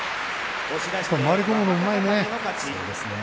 回り込むのがうまいね。